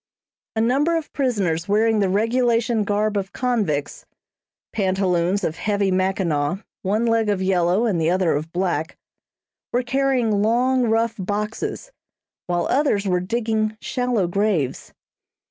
A number of prisoners wearing the regulation garb of convicts, pantaloons of heavy mackinaw, one leg of yellow and the other of black, were carrying long, rough boxes, while others were digging shallow graves.